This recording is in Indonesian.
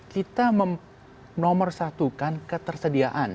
kita menomorsatukan ketersediaan